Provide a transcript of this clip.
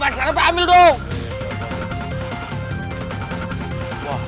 banserapnya ambil dong